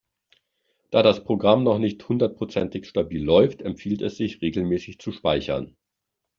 Da das Programm noch nicht hundertprozentig stabil läuft, empfiehlt es sich, regelmäßig zu speichern.